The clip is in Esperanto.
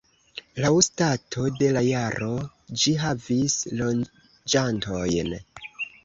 Laŭ stato de la jaro ĝi havis loĝantojn.